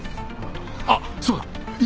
あっそうだ犬！